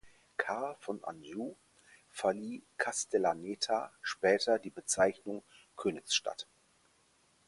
Karl von Anjou verlieh Castellaneta später die Bezeichnung "Königsstadt".